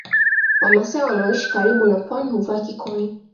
Wamasai wanaoishi karibu na Pwani huvaa kikoi